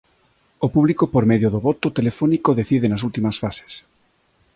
O público por medio do voto telefónico decide nas últimas fases.